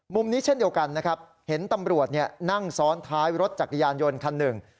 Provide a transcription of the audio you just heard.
มุมนี้เช่นเดียวกันนะครับเห็นตำรวจนั่งซ้อนท้ายรถจักรยานยนต์คันหนึ่ง